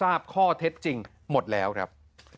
ทราบข้อเท็จจริงหมดแล้วครับ